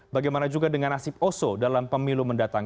bagaimana juga dengan nasib oso dalam pemilu mendatang